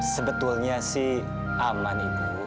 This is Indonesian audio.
sebetulnya sih aman ibu